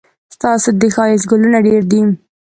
ستا د ښايست ګلونه ډېر دي.